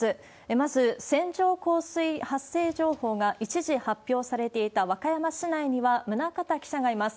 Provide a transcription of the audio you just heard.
まず線状降水発生情報が一時発表されていた和歌山市内には宗像記者がいます。